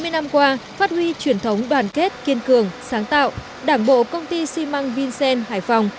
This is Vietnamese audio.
chín mươi năm qua phát huy truyền thống đoàn kết kiên cường sáng tạo đảng bộ công ty ximang visem hải phòng